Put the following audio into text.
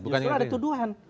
justru ada tuduhan